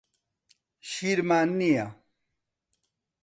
شیرمان نییە.